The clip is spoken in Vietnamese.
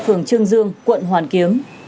phường trương dương quận hoàn kiếm